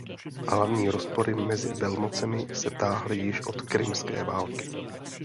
Hlavní rozpory mezi velmocemi se táhly již od krymské války.